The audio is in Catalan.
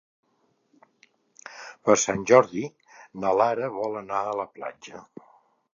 Per Sant Jordi na Lara vol anar a la platja.